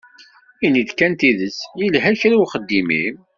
Ini-d kan tidet, yelha kra uxeddim-im?